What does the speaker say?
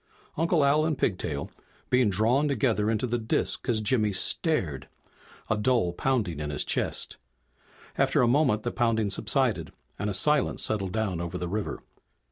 Uncle Al and Pigtail, being drawn together into the disk as Jimmy stared, a dull pounding in his chest. After a moment the pounding subsided and a silence settled down over the river.